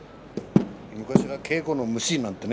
昔は稽古の虫なんてね